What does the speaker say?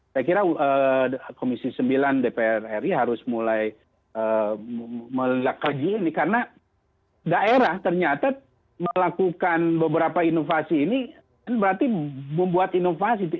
saya kira komisi sembilan dpr ri harus mulai kaji ini karena daerah ternyata melakukan beberapa inovasi ini kan berarti membuat inovasi